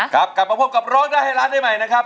กลับมาพบกับร้องได้ให้ร้านได้ใหม่นะครับ